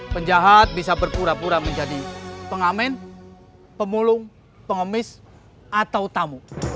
penjahat bisa berpura pura menjadi pengamen pemulung pengemis atau tamu